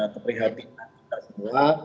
keprihatinan kita semua